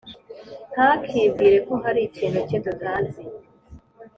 ntakibwire ko hari ikintu cye tutazi